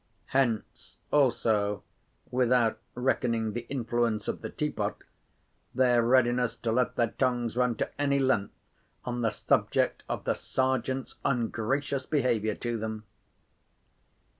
Hence, also (without reckoning the influence of the tea pot), their readiness to let their tongues run to any length on the subject of the Sergeant's ungracious behaviour to them.